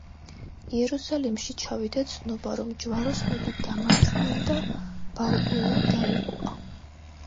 იერუსალიმში ჩავიდა ცნობა, რომ ჯვაროსნები დამარცხდნენ და ბალდუინი დაიღუპა.